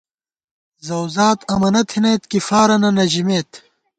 زَؤذات امَنہ تھنَئیت کی فارَنہ نہ ژِمېت